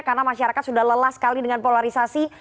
karena masyarakat sudah lelah sekali dengan polarisasi